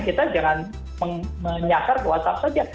kita jangan menyakar ke whatsapp saja